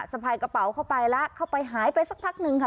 สะพายกระเป๋าเข้าไปแล้วเข้าไปหายไปสักพักหนึ่งค่ะ